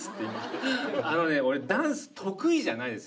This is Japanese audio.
あのね俺ダンス得意じゃないです